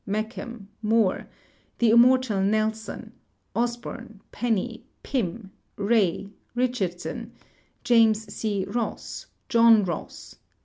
Mecham, Moore, the immortal Nelson, Os born, Penny, Pirn, Rae, Richardson, James C. Ross. Jolm Ross.